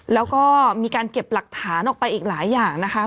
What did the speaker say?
แล้วก็มีการเก็บหลักฐานออกไปอีกหลายอย่างนะคะ